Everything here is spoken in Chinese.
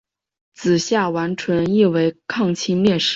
子夏完淳亦为抗清烈士。